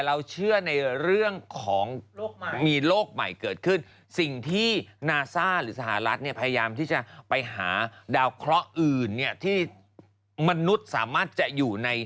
แล้วมันก็พยายามจะไปที่อื่นจริงชีวิตไม่อยู่